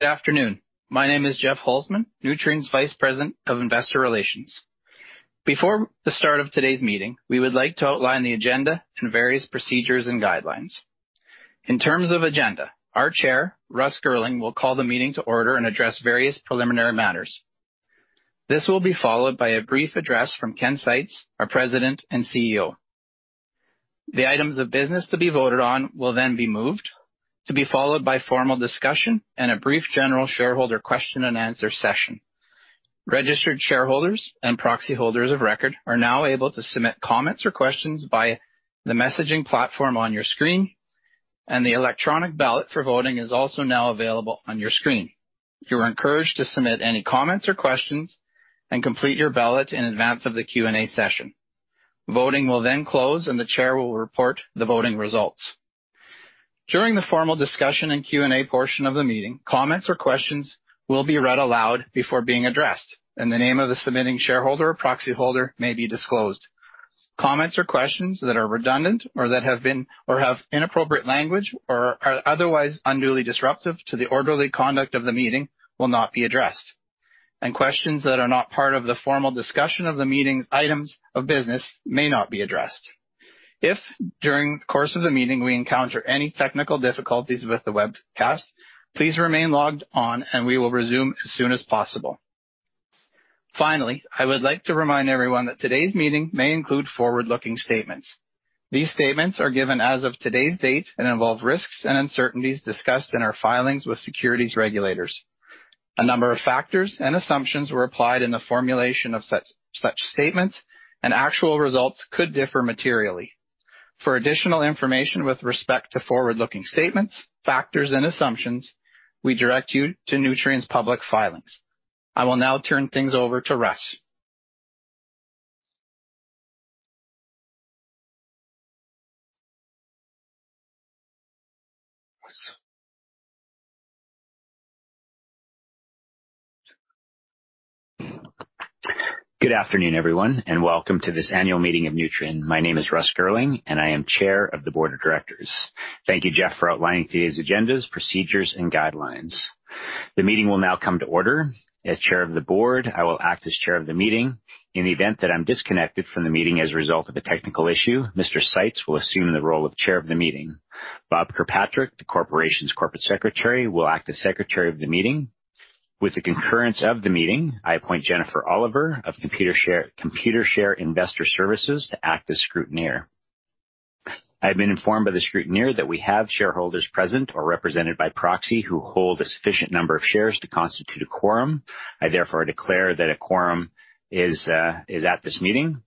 Good afternoon. My name is Jeff Holzman, Nutrien's Vice President of Investor Relations. Before the start of today's meeting, we would like to outline the agenda and various procedures and guidelines. In terms of agenda, our Chair, Russ Girling, will call the meeting to order and address various preliminary matters. This will be followed by a brief address from Ken Seitz, our President and CEO. The items of business to be voted on will then be moved, to be followed by formal discussion and a brief general shareholder question and answer session. Registered shareholders and proxy holders of record are now able to submit comments or questions by the messaging platform on your screen, and the electronic ballot for voting is also now available on your screen. You are encouraged to submit any comments or questions and complete your ballot in advance of the Q&A session. Voting will then close, and the Chair will report the voting results. During the formal discussion and Q&A portion of the meeting, comments or questions will be read aloud before being addressed, and the name of the submitting shareholder or proxy holder may be disclosed. Comments or questions that are redundant or that have inappropriate language or are otherwise unduly disruptive to the orderly conduct of the meeting will not be addressed. Questions that are not part of the formal discussion of the meeting's items of business may not be addressed. If, during the course of the meeting, we encounter any technical difficulties with the webcast, please remain logged on, and we will resume as soon as possible. Finally, I would like to remind everyone that today's meeting may include forward-looking statements. These statements are given as of today's date and involve risks and uncertainties discussed in our filings with securities regulators. A number of factors and assumptions were applied in the formulation of such statements, and actual results could differ materially. For additional information with respect to forward-looking statements, factors, and assumptions, we direct you to Nutrien's public filings. I will now turn things over to Russ. Good afternoon, everyone, welcome to this Annual Meeting of Nutrien. My name is Russ Girling, I am Chair of the Board of Directors. Thank you, Jeff, for outlining today's agendas, procedures, and guidelines. The meeting will now come to order. As Chair of the Board, I will act as Chair of the Meeting. In the event that I'm disconnected from the meeting as a result of a technical issue, Mr. Seitz will assume the role of Chair of the Meeting. Bob Kirkpatrick, the Corporation's Corporate Secretary, will act as Secretary of the Meeting. With the concurrence of the meeting, I appoint Jennifer Oliver of Computershare Investor Services to act as scrutineer. I have been informed by the scrutineer that we have shareholders present or represented by proxy who hold a sufficient number of shares to constitute a quorum. I therefore declare that a quorum is at this meeting.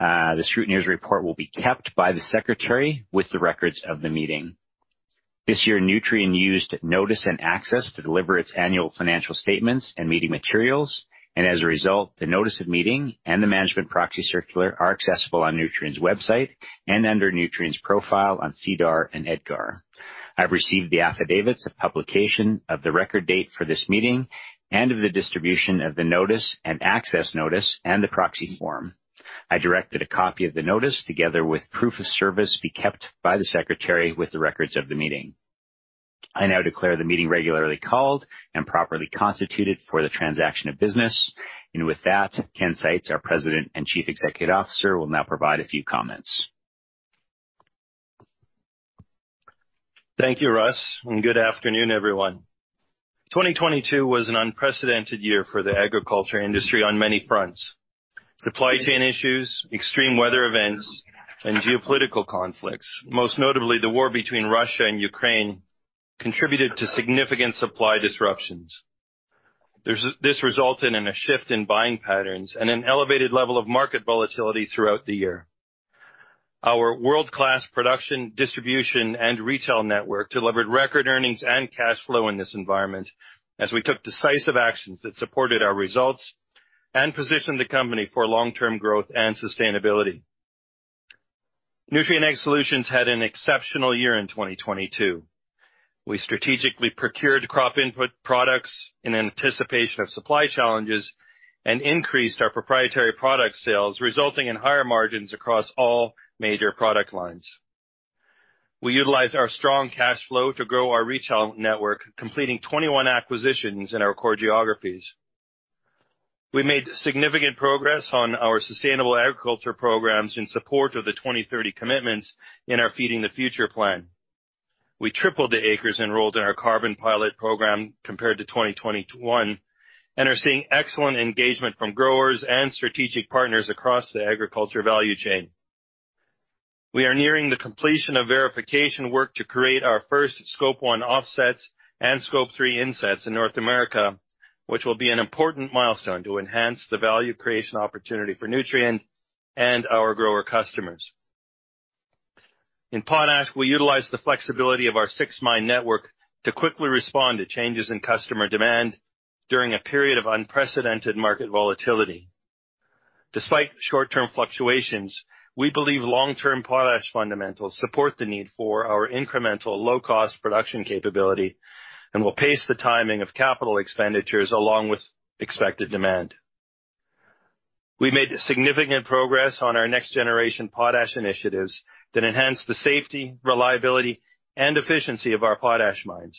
The scrutineer's report will be kept by the secretary with the records of the meeting. This year, Nutrien used notice and access to deliver its annual financial statements and meeting materials. As a result, the notice of meeting and the management proxy circular are accessible on Nutrien's website and under Nutrien's profile on SEDAR and EDGAR. I've received the affidavits of publication of the record date for this meeting and of the distribution of the notice and access notice and the proxy form. I directed a copy of the notice, together with proof of service, be kept by the secretary with the records of the meeting. I now declare the meeting regularly called and properly constituted for the transaction of business. With that, Ken Seitz, our President and Chief Executive Officer, will now provide a few comments. Thank you, Russ. Good afternoon, everyone. 2022 was an unprecedented year for the agriculture industry on many fronts. Supply chain issues, extreme weather events, and geopolitical conflicts, most notably the war between Russia and Ukraine, contributed to significant supply disruptions. This resulted in a shift in buying patterns and an elevated level of market volatility throughout the year. Our world-class production, distribution, and retail network delivered record earnings and cash flow in this environment as we took decisive actions that supported our results and positioned the company for long-term growth and sustainability. Nutrien Ag Solutions had an exceptional year in 2022. We strategically procured crop input products in anticipation of supply challenges and increased our proprietary product sales, resulting in higher margins across all major product lines. We utilized our strong cash flow to grow our retail network, completing 21 acquisitions in our core geographies. We made significant progress on our sustainable agriculture programs in support of the 2030 commitments in our Feeding the Future Plan. We tripled the acres enrolled in our carbon pilot program compared to 2021 and are seeing excellent engagement from growers and strategic partners across the agriculture value chain. We are nearing the completion of verification work to create our first Scope 1 offsets and Scope 3 insets in North America, which will be an important milestone to enhance the value creation opportunity for Nutrien and our grower customers. In Potash, we utilized the flexibility of our six mine network to quickly respond to changes in customer demand during a period of unprecedented market volatility. Despite short-term fluctuations, we believe long-term potash fundamentals support the need for our incremental low-cost production capability and will pace the timing of capital expenditures along with expected demand. We made significant progress on our next generation potash initiatives that enhance the safety, reliability, and efficiency of our potash mines.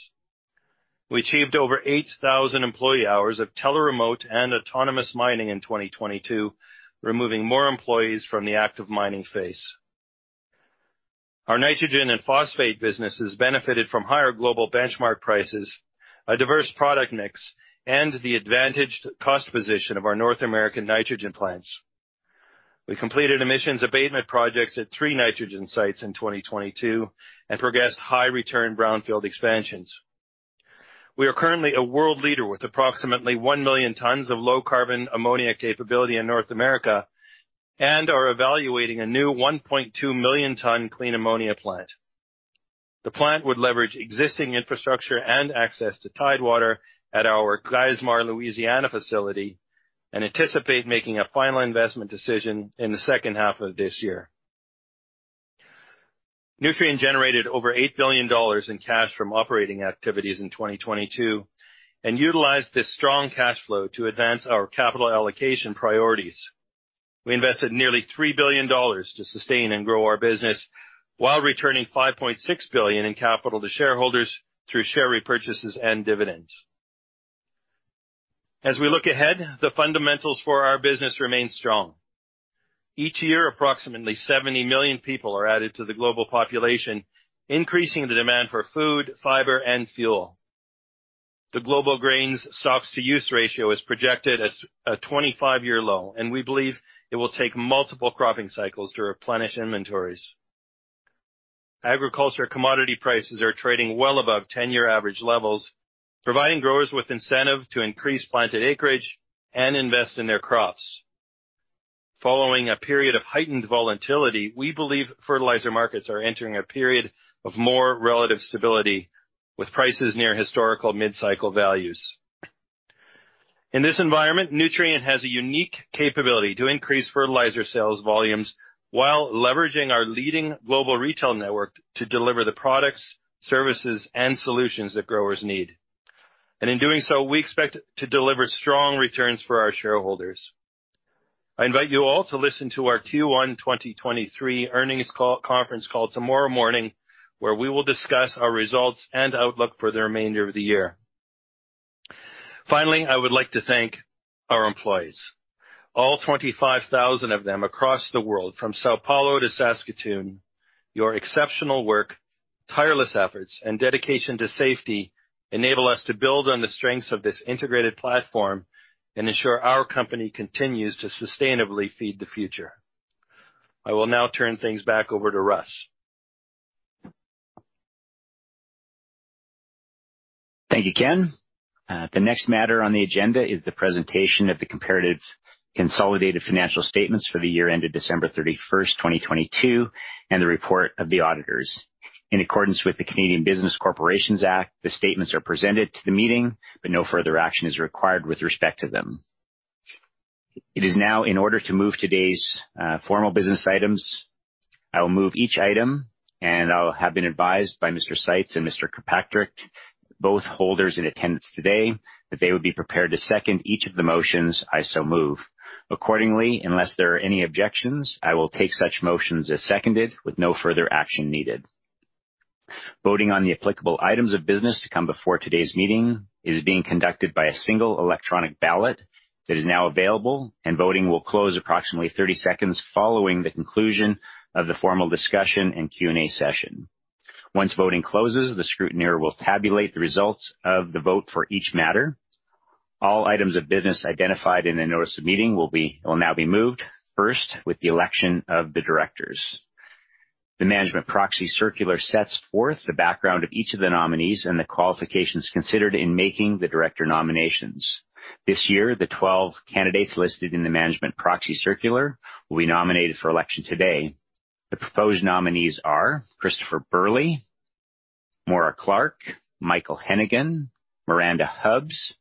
We achieved over 8,000 employee hours of teleremote and autonomous mining in 2022, removing more employees from the active mining phase. Our nitrogen and phosphate businesses benefited from higher global benchmark prices, a diverse product mix, and the advantaged cost position of our North American nitrogen plants. We completed emissions abatement projects at three nitrogen sites in 2022 and progressed high return brownfield expansions. We are currently a world leader with approximately 1 million tons of low carbon ammonia capability in North America, and are evaluating a new 1.2 million ton clean ammonia plant. The plant would leverage existing infrastructure and access to tidewater at our Geismar, Louisiana facility, anticipate making a final investment decision in the second half of this year. Nutrien generated over $8 billion in cash from operating activities in 2022, utilized this strong cash flow to advance our capital allocation priorities. We invested nearly $3 billion to sustain and grow our business while returning $5.6 billion in capital to shareholders through share repurchases and dividends. As we look ahead, the fundamentals for our business remain strong. Each year, approximately 70 million people are added to the global population, increasing the demand for food, fiber, and fuel. The global grains stocks-to-use ratio is projected at a 25-year low, we believe it will take multiple cropping cycles to replenish inventories. Agriculture commodity prices are trading well above 10-year average levels, providing growers with incentive to increase planted acreage and invest in their crops. Following a period of heightened volatility, we believe fertilizer markets are entering a period of more relative stability with prices near historical mid-cycle values. In this environment, Nutrien has a unique capability to increase fertilizer sales volumes while leveraging our leading global retail network to deliver the products, services and solutions that growers need. In doing so, we expect to deliver strong returns for our shareholders. I invite you all to listen to our Q1 2023 earnings call, conference call tomorrow morning, where we will discuss our results and outlook for the remainder of the year. Finally, I would like to thank our employees, all 25,000 of them across the world, from São Paulo to Saskatoon. Your exceptional work, tireless efforts and dedication to safety enable us to build on the strengths of this integrated platform and ensure our company continues to sustainably feed the future. I will now turn things back over to Russ. Thank you, Ken. The next matter on the agenda is the presentation of the comparative consolidated financial statements for the year ended December 31st, 2022, and the report of the auditors. In accordance with the Canadian Business Corporations Act, the statements are presented to the meeting, but no further action is required with respect to them. It is now in order to move today's formal business items. I will move each item, and I'll have been advised by Mr. Seitz and Mr. Kirkpatrick, both holders in attendance today, that they would be prepared to second each of the motions I so move. Accordingly, unless there are any objections, I will take such motions as seconded with no further action needed. Voting on the applicable items of business to come before today's meeting is being conducted by a single electronic ballot that is now available, and voting will close approximately 30 seconds following the conclusion of the formal discussion and Q&A session. Once voting closes, the scrutineer will tabulate the results of the vote for each matter. All items of business identified in the notice of meeting will now be moved, first with the election of the directors. The management proxy circular sets forth the background of each of the nominees and the qualifications considered in making the director nominations. This year, the 12 candidates listed in the management proxy circular will be nominated for election today. The proposed nominees are Christopher Burley, Maura Clark, Michael Hennigan, Miranda Hubbs,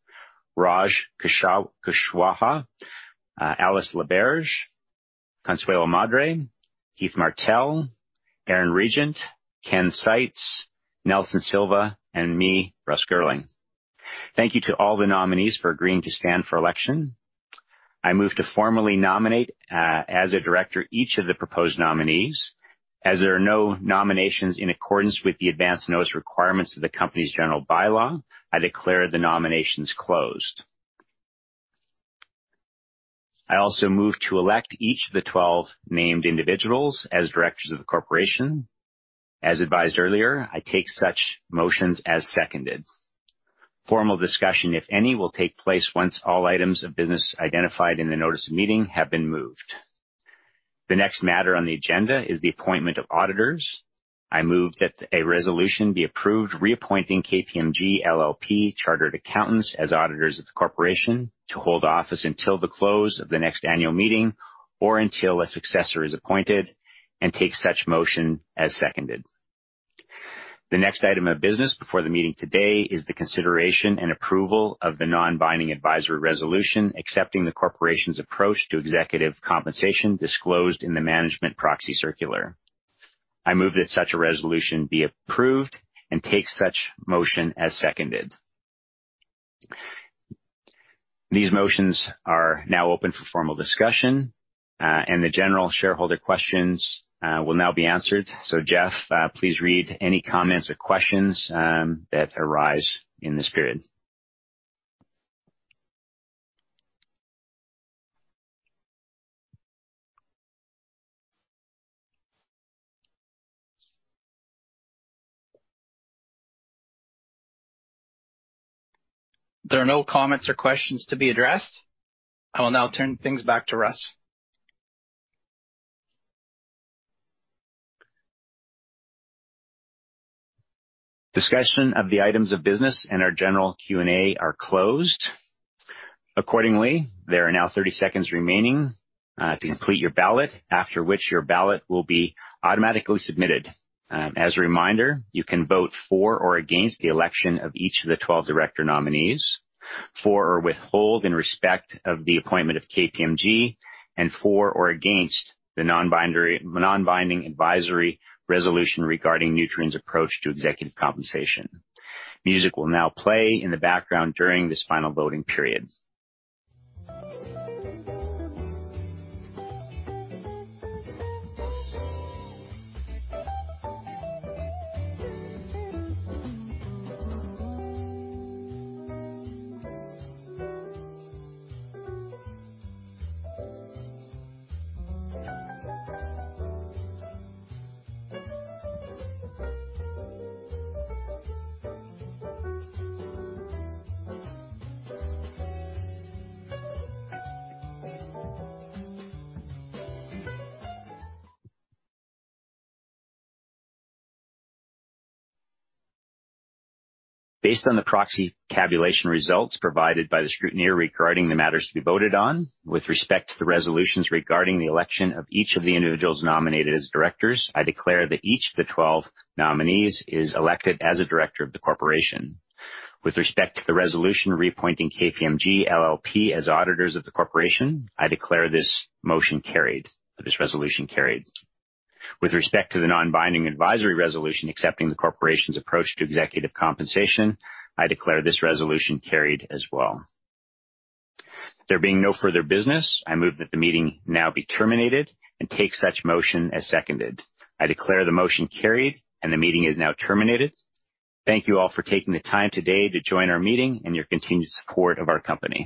Raj Kushwaha, Alice Laberge, Consuelo Madere, Keith Martell, Aaron Regent, Ken Seitz, Nelson Silva, and me, Russ Girling. Thank you to all the nominees for agreeing to stand for election. I move to formally nominate, as a Director, each of the proposed nominees. As there are no nominations in accordance with the advance notice requirements of the company's general bylaw, I declare the nominations closed. I also move to elect each of the 12 named individuals as directors of the Corporation. As advised earlier, I take such motions as seconded. Formal discussion, if any, will take place once all items of business identified in the notice of meeting have been moved. The next matter on the agenda is the appointment of auditors. I move that a resolution be approved reappointing KPMG LLP Chartered Accountants as auditors of the Corporation to hold office until the close of the next Annual Meeting or until a successor is appointed and take such motion as seconded. The next item of business before the meeting today is the consideration and approval of the non-binding advisory resolution accepting the Corporation's approach to executive compensation disclosed in the management proxy circular. I move that such a resolution be approved and take such motion as seconded. These motions are now open for formal discussion, and the general shareholder questions will now be answered. Jeff, please read any comments or questions that arise in this period. There are no comments or questions to be addressed. I will now turn things back to Russ. Discussion of the items of business and our general Q&A are closed. Accordingly, there are now 30 seconds remaining to complete your ballot, after which your ballot will be automatically submitted. As a reminder, you can vote for or against the election of each of the 12 Director nominees, for or withhold in respect of the appointment of KPMG, and for or against the non-binding advisory resolution regarding Nutrien's approach to executive compensation. Music will now play in the background during this final voting period. Based on the proxy tabulation results provided by the scrutineer regarding the matters to be voted on, with respect to the resolutions regarding the election of each of the individuals nominated as directors, I declare that each of the 12 nominees is elected as a director of the Corporation. With respect to the resolution reappointing KPMG LLP as auditors of the Corporation, I declare this resolution carried. With respect to the non-binding advisory resolution accepting the Corporation's approach to executive compensation, I declare this resolution carried as well. There being no further business, I move that the meeting now be terminated and take such motion as seconded. I declare the motion carried and the meeting is now terminated. Thank you all for taking the time today to join our meeting and your continued support of our company.